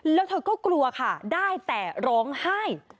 แล้วเธอก็กลัวค่ะได้แต่ร้องไห้